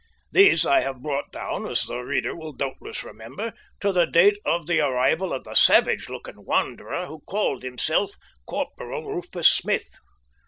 These I had brought down, as the reader will doubtless remember, to the date of the arrival of the savage looking wanderer who called himself Corporal Rufus Smith.